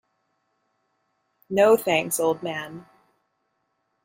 No, thanks, old man.